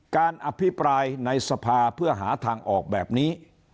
การอภิปรายในสภาเพื่อหาทางออกแบบนี้